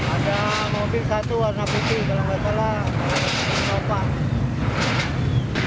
ada mobil satu warna putih kalau nggak salah pak